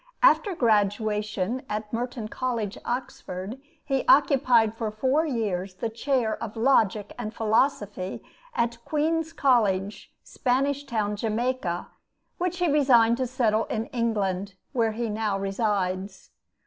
After graduation at Merton College, Oxford, he occupied for four years the chair of logic and philosophy at Queen's College, Spanish Town, Jamaica, which he resigned to settle in England, where he now resides.